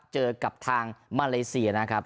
เจอกับทางมาเลเซียนะครับ